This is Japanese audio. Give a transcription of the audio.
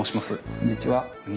こんにちは。